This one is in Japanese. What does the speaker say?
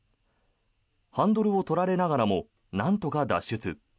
ハンドルを取られながらもなんとか脱出。